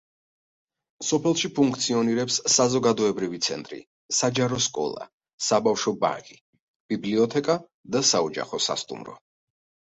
სოფელში ფუნქციონირებს საზოგადოებრივი ცენტრი, საჯარო სკოლა, საბავშვო ბაღი, ბიბლიოთეკა და საოჯახო სასტუმრო.